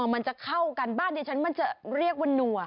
มันจะเข้ากันบ้านดิฉันมันจะเรียกว่านัว